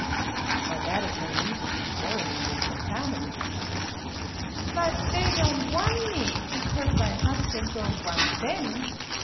" "But that is no reason for quarreling with your family." " But they don' wan' me, because my hosban' don' wan' them